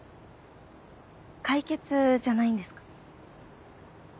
解決じゃないんですか？